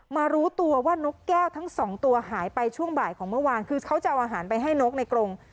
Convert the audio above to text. รู้ตัวว่านกแก้วทั้งสองตัวหายไปช่วงบ่ายของเมื่อวานคือเขาจะเอาอาหารไปให้นกในกรง